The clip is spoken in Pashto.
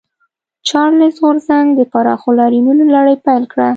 چارټېست غورځنګ د پراخو لاریونونو لړۍ پیل کړه.